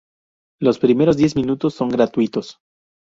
Los primeros diez minutos son gratuitos.